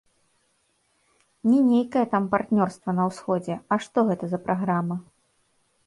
Не нейкае там партнёрства на ўсходзе, а што гэта за праграма.